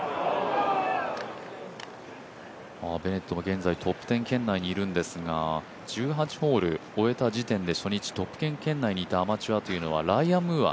ベネットも現在トップ１０圏内にいるんですが１８ホール終えた時点で初日トップ１０圏内にいたアマチュアというのはライアン・ムーア